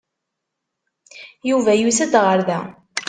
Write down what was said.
Yuba yusa-d ɣer da.